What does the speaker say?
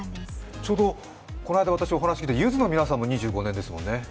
ちょうどこの間、私、お話を聞いて、ゆずの皆さんも２５年ですもんね。